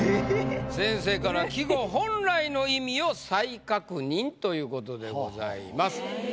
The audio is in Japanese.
先生から「季語本来の意味を再確認！」という事でございます。